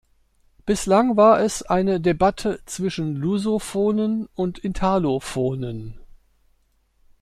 Bislang war es eine Debatte zwischen Lusophonen und Italophonen.